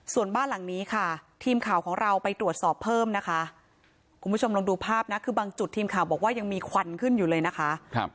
ส่วนบ้านหลังนี้ค่ะทีมข่าวของเราไปตรวจสอบเพิ่มนะคะคุณผู้ชมลองดูภาพนะคือบางจุดทีมข่าวบอกว่ายังมีควันขึ้นอยู่เลยนะคะ